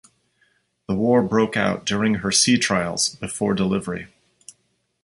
The war broke out during her sea trials before delivery.